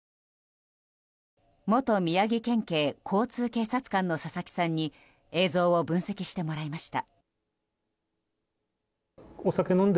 元宮城県警交通警察官の佐々木さんに映像を分析してもらいました。